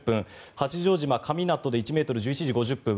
八丈島・神湊で１ｍ、１１時５０分。